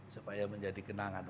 supaya menjadi kenangan